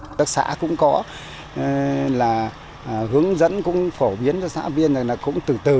hợp tác xã cũng có hướng dẫn phổ biến cho xã biên là cũng từ từ